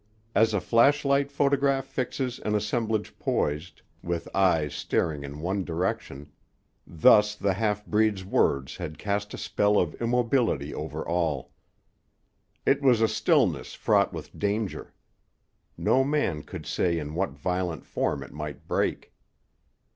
As a flash light photograph fixes an assemblage poised, with eyes staring in one direction, thus the half breed's words had cast a spell of immobility over all. It was a stillness fraught with danger. No man could say in what violent form it might break.